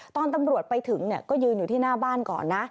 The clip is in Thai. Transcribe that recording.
ตอนตำรวจไปถึงก็ยืนอยู่ที่หน้าบ้านก่อนนะ